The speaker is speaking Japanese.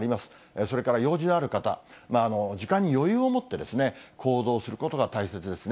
それから用事のある方、時間に余裕を持って行動することが大切ですね。